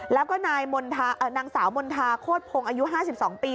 แล้วก็นายมนทาเอ่อนางสาวมนทาโฆษภงอายุห้าสิบสองปี